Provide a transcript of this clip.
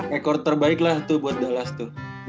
rekord terbaik lah tuh buat dallas tuh